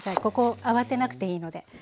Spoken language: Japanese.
ここ慌てなくていいので。